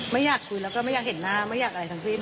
ไม่อยากคุยแล้วก็ไม่อยากเห็นหน้าไม่อยากอะไรทั้งสิ้น